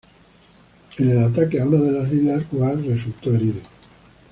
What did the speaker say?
En el ataque a una de las islas, Guard resultó herido.